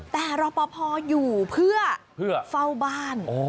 แต่รอปภอยู่เพื่อเฝ้าบ้าน